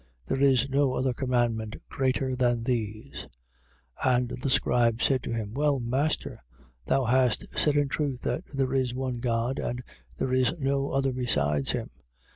There is no other commandment greater than these. 12:32. And the scribe said to him: Well, Master, thou hast said in truth that there is one God and there is no other besides him.